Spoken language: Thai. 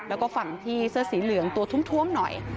แล้วก็ฝั่งที่เสื้อสีเหลืองตัวท้วมหน่อย